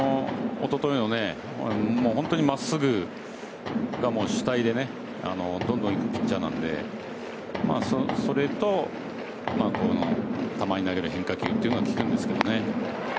おとといの本当に真っすぐが主体でどんどんいくピッチャーなんでそれとたまに投げる変化球というのが効くんですけどね。